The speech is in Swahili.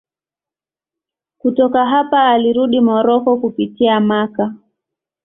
Kutoka hapa alirudi Moroko kupitia Makka.